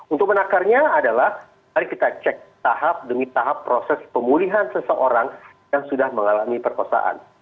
untuk menakarnya adalah mari kita cek tahap demi tahap proses pemulihan seseorang yang sudah mengalami perkosaan